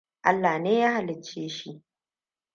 Allah ne ya halicce shi.